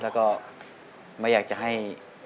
แล้วก็ไม่อยากจะให้